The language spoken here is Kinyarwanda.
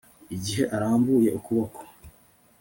igihe arambuye ukuboko